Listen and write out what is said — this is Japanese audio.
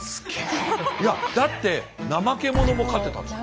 いやだってナマケモノも飼ってたんでしょ？